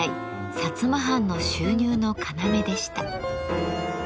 薩摩藩の収入の要でした。